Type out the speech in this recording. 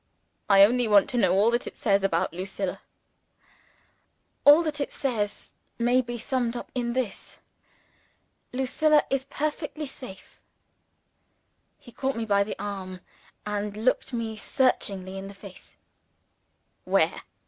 "I only want to know all that it says about Lucilla." "All that it says may be summed up in this. Lucilla is perfectly safe." He caught me by the arm, and looked me searchingly in the face. "Where?"